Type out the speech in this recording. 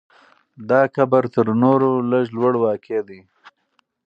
دا قبر تر نورو لږ لوړ واقع دی.